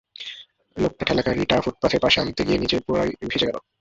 লোকটা ঠেলে গাড়িটা ফুটপাথের পাশে আনতে গিয়ে নিজে পুরাই ভিজে গেল।